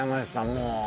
もう。